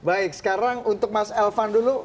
baik sekarang untuk mas elvan dulu